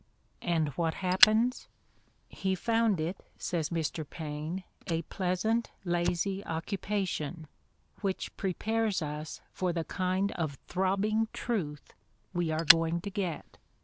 And what happens? "He found it," says Mr. Paine, "a pleasant, lazy occupation," which prepares us for the kind of throbbing truth we are going to get.